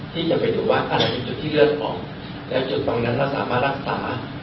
ที่จะไปดูว่าอะไรเป็นจุดที่เลือดออกแต่จุดตรงนั้นเราสามารถรักษา